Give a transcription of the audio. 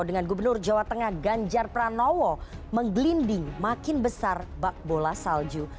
dengan gubernur jawa tengah ganjar pranowo menggelinding makin besar bak bola salju